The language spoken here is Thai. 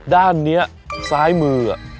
ด้านเนี่ยซ้ายมืออ่ะ